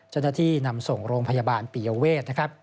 จนที่นำส่งโรงพยาบาลปีเยาเวศ